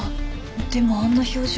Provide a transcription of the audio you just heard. でもあんな表情